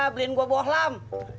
beliin gua buah lam